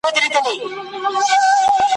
هره پاڼه يې غيرت دی !.